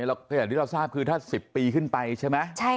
อย่างที่เราทราบคือถ้า๑๐ปีขึ้นไปใช่ไหม